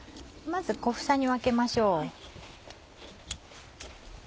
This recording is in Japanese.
まず小房に分けましょう。